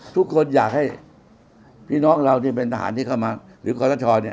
ทุกคนอยากให้พี่น้องเราที่เป็นทหารที่เข้ามาหรือคอทชเนี่ย